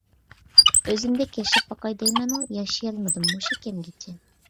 ئۆزۈمدەك ياشاپ باقاي دەيمەنۇ، ياشىيالمىدىم مۇشۇ كەمگىچە.